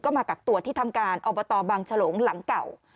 มากักตัวที่ทำการอบตบางฉลงหลังเก่า